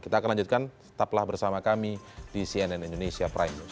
kita akan lanjutkan tetaplah bersama kami di cnn indonesia prime news